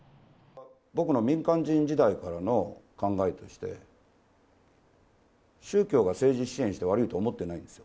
僕の民間人時代からの考えとして、宗教が政治支援して悪いと思っていないんです。